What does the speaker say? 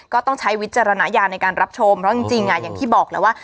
ก็ต้องใช้วิจารณญาณในการรับชมเพราะจริงอย่างที่บอกแล้วว่า